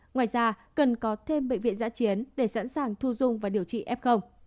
ngoài ra cần có thêm bệnh viện giã chiến để sẵn sàng thu dung và điều trị f